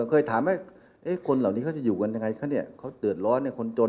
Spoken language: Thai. หน้าสองหน้าสี่หน้าสามนี่แล้วเท่าไหร่